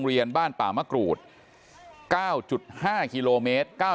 ขอบคุณทุกคน